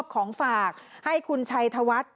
ของฝากให้คุณชัยธวัฒน์